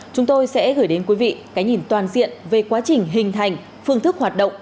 chúng tôi sẽ gửi đến quý vị cái nhìn toàn diện về quá trình hình thành phương thức hoạt động